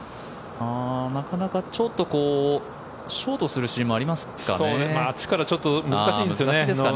ちょっとこう、ショートするシーンもありますかね。